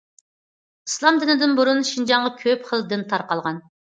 ئىسلام دىنىدىن بۇرۇن، شىنجاڭغا كۆپ خىل دىن تارقالغان.